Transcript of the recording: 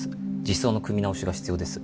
実装の組み直しが必要です